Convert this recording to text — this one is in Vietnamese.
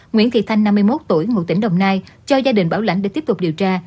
nguyễn thị thanh năm mươi một tuổi ngụ tỉnh đồng nai cho gia đình bảo lãnh để tiếp tục điều tra